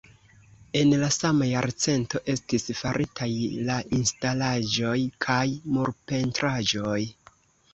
En la sama jarcento estis faritaj la instalaĵoj kaj murpentraĵoj.